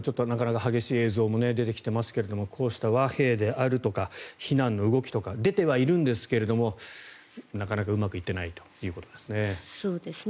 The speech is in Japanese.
なかなか激しい映像も出てきていますがこうした和平であるとか避難の動きとか出てはいるんですがなかなかうまくいっていないということですね。